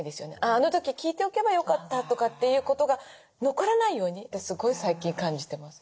あの時聞いておけばよかったとかっていうことが残らないようにってすごい最近感じてます。